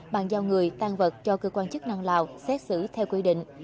bàn giao người tan vật cho cơ quan chức năng lào xét xử theo quy định